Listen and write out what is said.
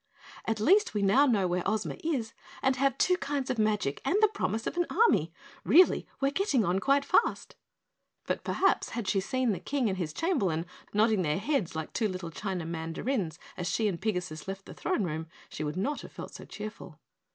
"At least we now know where Ozma is and have two kinds of magic and the promise of an army. Really we're getting on quite fast." But perhaps had she seen the King and his Chamberlain nodding their heads like two little China mandarins as she and Pigasus left the throne room, she would not have felt so cheerful.